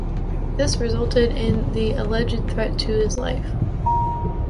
This resulted in the alleged threat to his life.